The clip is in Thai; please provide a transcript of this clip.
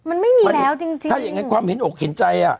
มันไม่มีแล้วจริงจริงถ้าอย่างนั้นความเห็นอกเห็นใจอ่ะ